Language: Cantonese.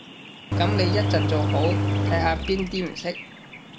噉你一陣做好，睇下邊啲唔識